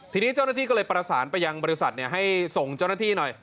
ทีนี้เจ้าหน้าที่ก็เลยประสานไปยังบริษัทให้ส่งเจ้าหน้าที่หน่อย